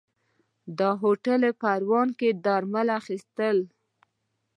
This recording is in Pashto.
ده هوټل پروان کې درمل واخيستل.